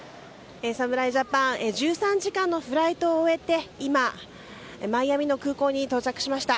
侍ジャパン１３時間のフライトを終えて今、マイアミの空港に到着しました。